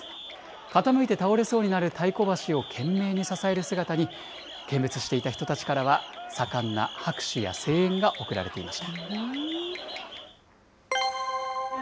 傾いて倒れそうになる太鼓橋を懸命に支える姿に、見物していた人たちからは、盛んな拍手や声援が送られていました。